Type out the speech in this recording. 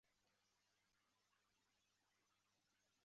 红色及绿色分别表示建制派及泛民主派。